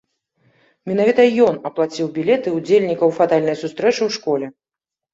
Менавіта ён аплаціў білеты ўдзельнікаў фатальнай сустрэчы ў школе.